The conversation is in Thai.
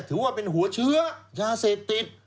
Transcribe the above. ถือว่าเป็นหัวเชื้อยาเสพติด